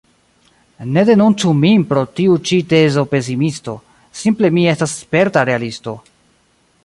Ne denuncu min pro tiu ĉi tezo pesimisto; simple mi estas sperta realisto.